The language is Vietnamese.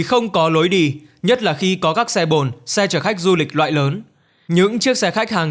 không có lối đi nhất là khi có các xe bồn xe chở khách du lịch loại lớn những chiếc xe khách hàng